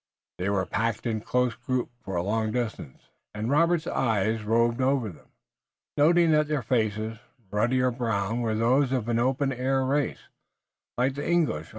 They were packed in a close group for a long distance, and Robert's eye roved over them, noting that their faces, ruddy or brown, were those of an open air race, like the English.